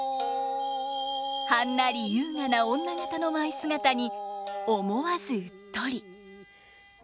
はんなり優雅な女方の舞姿に思わずうっとり。